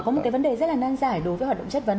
có một cái vấn đề rất là nan giải đối với hoạt động chất vấn